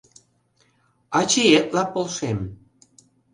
Ачиетла полшем...